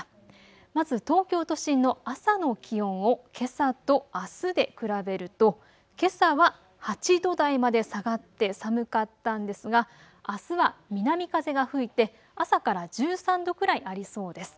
まず東京都心の朝の気温をけさとあすで比べるとけさは８度台まで下がって寒かったんですが、あすは南風が吹いて朝から１３度くらいありそうです。